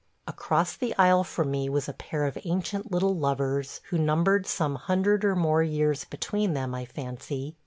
Across the aisle from me was a pair of ancient little lovers who numbered some hundred or more years between them, I fancy.